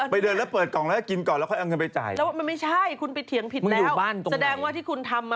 ไปเดินแล้วเปิดกล่องแล้วกินก่อนแล้วค่อยเอาเงินไปจ่าย